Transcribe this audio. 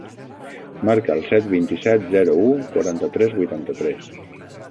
Marca el set, vint-i-set, zero, u, quaranta-tres, vuitanta-tres.